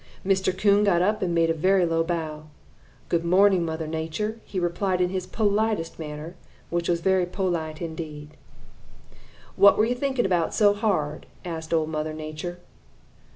"Mr. Coon got up and made a very low bow. 'Good morning, Mother Nature,' he replied in his politest manner, which was very polite indeed. "'What were you thinking about so hard?' asked Old Mother Nature.